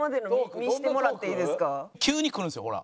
急にくるんですよほら。